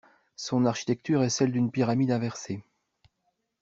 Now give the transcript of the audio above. Son architecture est celle d’une pyramide inversée.